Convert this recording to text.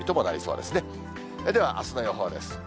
では、あすの予報です。